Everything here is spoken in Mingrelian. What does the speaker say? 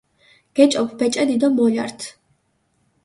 გეჭოფჷ ბეჭედი დო მოლართჷ.